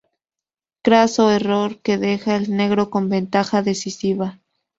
Craso error que deja al negro con ventaja decisiva.